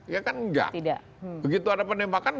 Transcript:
ya kan enggak begitu ada penembakan